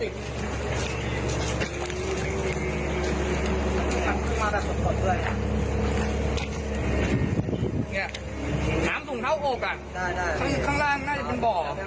ก็เลยจะเลี้ยวเข้าไปรถมันก็ตกหลุม